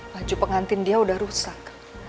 baju pengantin dia sudah rusak